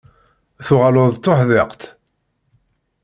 Tuɣaleḍ d tuḥdiqt.